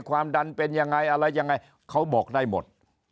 ความดันเป็นยังไงอะไรยังไงเขาบอกได้หมด